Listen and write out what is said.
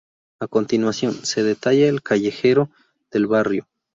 A continuación se detalla el callejero del barrio.